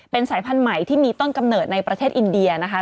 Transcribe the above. เป็นสายพันธุ์ใหม่ที่มีต้นกำเนิดในประเทศอินเดียนะคะ